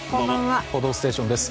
「報道ステーション」です。